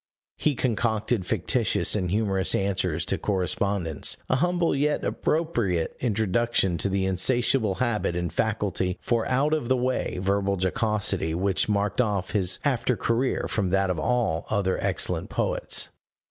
He concocted fictitious and humorous answers to correspondents a humble yet appropriate introduction to the insatiable habit and faculty for out of the way verbal jocosity which marked off his after career from that of all other excellent poets.